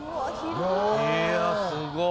いやすごっ！